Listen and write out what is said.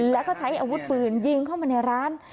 แล้วก็ใช้อาวุธปืนยิงเข้ามาในร้าน